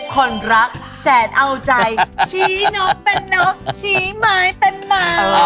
คนรักแสดเอาใจชี้น้องเป็นน้องชี้ไม้เป็นไม้